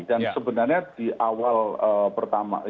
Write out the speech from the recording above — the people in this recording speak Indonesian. dan sebenarnya di awal pertama